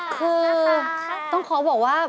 คือต้องขอบอกว่า